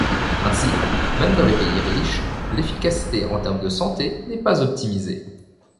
Ainsi, même dans les pays riches, l'efficacité en termes de santé n'est pas optimisée.